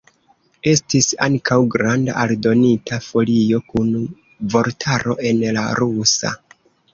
Estis ankaŭ granda aldonita folio kun vortaro en la rusa.